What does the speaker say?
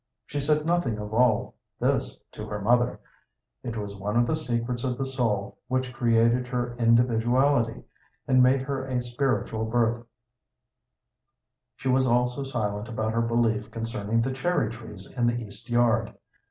She said nothing of all this to her mother; it was one of the secrets of the soul which created her individuality and made her a spiritual birth. She was also silent about her belief concerning the cherry trees in the east yard.